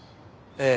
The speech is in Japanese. ええ。